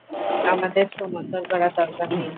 আমাদের ছুঃ মন্তর করার দরকার নেই।